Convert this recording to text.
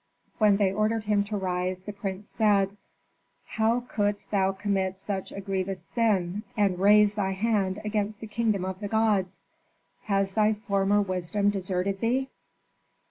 When they ordered him to rise, the prince said, "How couldst thou commit such a grievous sin, and raise thy hand against the kingdom of the gods? Has thy former wisdom deserted thee?"